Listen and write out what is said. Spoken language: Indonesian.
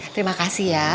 terima kasih ya